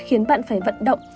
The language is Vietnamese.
khiến bạn phải vận động